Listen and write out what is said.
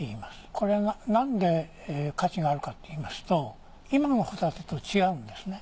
これがなんで価値があるかっていいますと今のホタテと違うんですね。